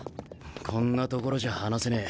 こんな所じゃ話せねえ。